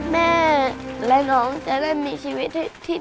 แม่และน้องจะได้มีชีวิตที่ดีกว่านี้ค่ะ